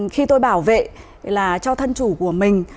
khi tôi bảo vệ cho thân chủ của mình